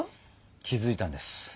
気付いたんです。